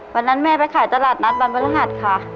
วันนั้นแม่ไปขายตลาดนัดบรรพาหัสค่ะ